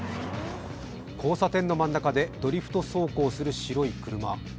交差点の真ん中でドリフト走行する白い車。